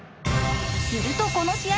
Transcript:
するとこの試合